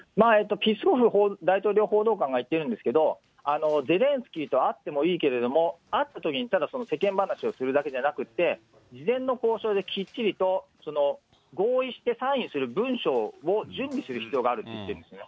大統領報道官がいっているんですけれども、ゼレンスキーと会ってもいいけれども、会ったときにただ世間話をするだけじゃなくて、事前の交渉できっちりと合意してサインする文書を準備する必要があるって言ってるんですね。